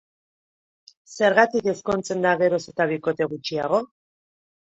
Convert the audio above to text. Zergatik ezkontzen da geroz eta bikote gutxiago?